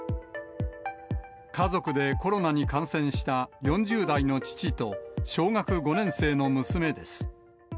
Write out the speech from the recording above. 家族でコロナに感染した４０代の父と小学５年生の娘です。